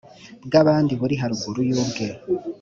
bw abandi buri haruguru y ubwe